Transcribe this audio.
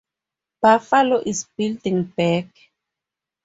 Buffalo is building back.